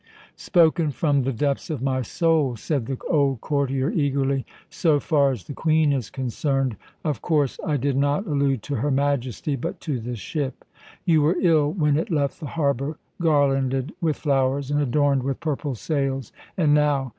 "Spoken from the depths of my soul," said the old courtier eagerly, "so far as the Queen is concerned. Of course, I did not allude to her Majesty, but to the ship. You were ill when it left the harbour, garlanded with flowers and adorned with purple sails. And now!